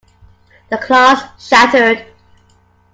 The glass shattered.